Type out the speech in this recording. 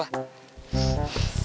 makasih ya udah nolong gue